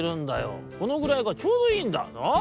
このぐらいがちょうどいいんだなあ？